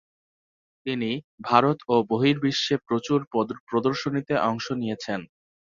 তিনি ভারত ও বহির্বিশ্বে প্রচুর প্রদর্শনীতে অংশ নিয়েছেন।